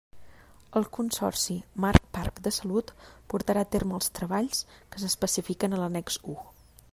El Consorci Mar Parc de Salut portarà a terme els treballs que s'especifiquen a l'annex u.